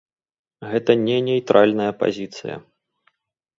Гэта не нейтральная пазіцыя.